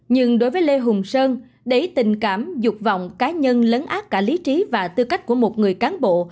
nhưng đối với lê hùng sơn đấy tình cảm dục vọng cá nhân lấn át cả lý trí và tư cách của một người cán bộ